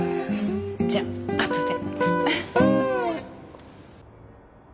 じゃああとで。